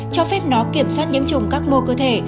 cho phép nó kiểm soát nhiễm trùng các mô cơ thể